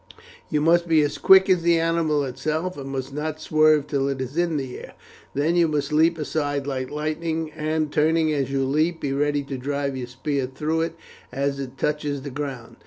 You must be as quick as the animal itself, and must not swerve till it is in the air. Then you must leap aside like lightning, and, turning as you leap, be ready to drive your spear through it as it touches the ground.